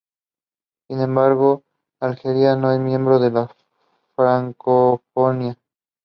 She started her scientific career at the University of Western Australia.